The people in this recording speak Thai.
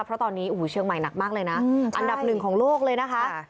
เพราะตอนนี้โอ้โหเชียงใหม่หนักมากเลยนะอันดับหนึ่งของโลกเลยนะคะ